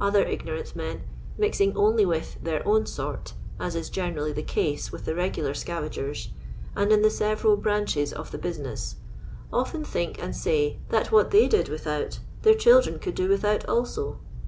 Other ignorant men, mixing only with " their own sort," as is generally the case witli the regular scavagers, and in the several branches of the business, often think and eay that what tluif did without their children could do without also.